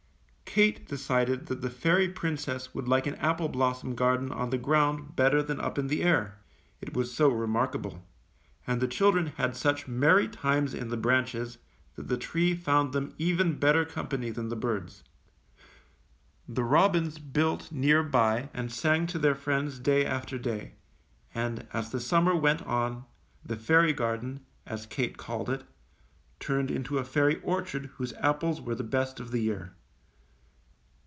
Kate decided that the fairy princess would like an apple blossom garden on the ground better than up in the air — it was so remark able. And the children had such merry times in the branches, that the tree found them even better company than the birds. The robins built near by and sang to their friends day after day; and, as the summer went on, the fairy garden, as Kate called it, turned into a fairy orchard whose apples were the best of the year.